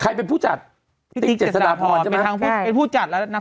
ของโพรีพัศน์